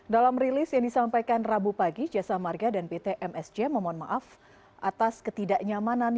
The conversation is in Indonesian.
dalam rilis yang disampaikan rabu pagi jasa marga dan pt msj memohon maaf atas ketidaknyamanan